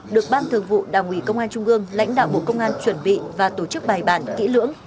được ban thường vụ đảng ủy công an trung ương lãnh đạo bộ công an chuẩn bị và tổ chức bài bản kỹ lưỡng